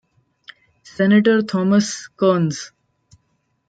Senator Thomas Kearns.